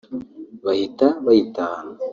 bahita bayitahana